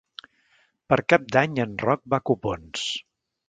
Per Cap d'Any en Roc va a Copons.